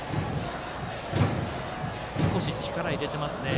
少し力入れてますね。